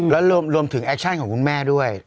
แล้วรวมถึงแอคชั่นของคุณแม่ด้วย